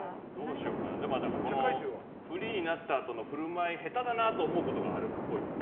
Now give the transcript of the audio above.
フリーになった時の振る舞い下手だなと思うことがあるっぽい。